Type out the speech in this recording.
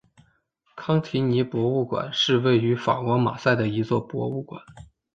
康提尼博物馆是位于法国马赛的一座博物馆。